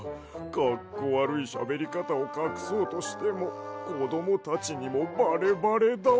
かっこわるいしゃべりかたをかくそうとしてもこどもたちにもバレバレだわ。